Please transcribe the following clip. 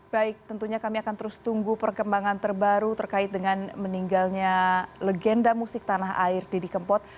baik tentunya kami akan terus tunggu perkembangan terbaru terkait dengan meninggalnya legenda musik tanah air didi kempot